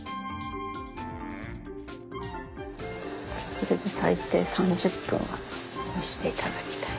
これで最低３０分は蒸していただきたい。